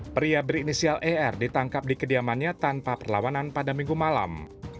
pria berinisial er ditangkap di kediamannya tanpa perlawanan pada minggu malam